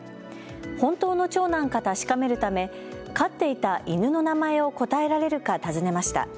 本当の長男か確かめるため飼っていた犬の名前を答えられるか尋ねました。